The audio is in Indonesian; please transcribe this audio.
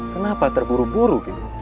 kenapa terburu buru ki